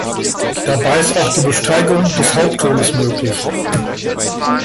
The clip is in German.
Dabei ist auch die Besteigung des Hauptturmes möglich.